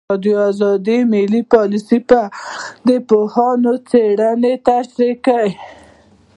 ازادي راډیو د مالي پالیسي په اړه د پوهانو څېړنې تشریح کړې.